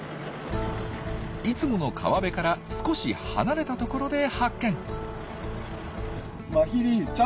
いつもの川辺から少し離れたところで発見。